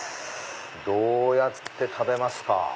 どうやって食べますか？